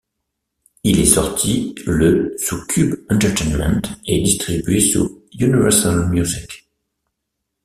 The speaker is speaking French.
Il est sorti le sous Cube Entertainment et distribué sous Universal Music.